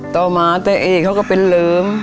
ต่อมาแต่เอกเขาก็เป็นเหลิม